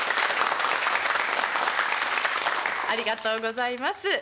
ありがとうございます。